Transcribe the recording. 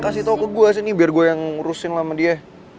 lo kasih tau ke gue sih nih biar gue yang ngurusin lah sama dia